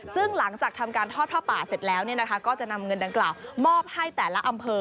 ซึ่งหลังจากทำการทอดผ้าป่าเสร็จแล้วก็จะนำเงินดังกล่าวมอบให้แต่ละอำเภอ